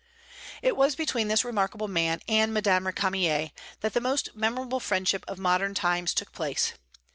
It was between this remarkable man and Madame Récamier that the most memorable friendship of modern times took place.